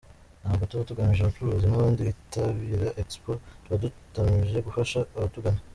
Ntabwo tuba tugamije ubucuruzi nk’abandi bitabira expo tuba dutamije gufasha abatugana.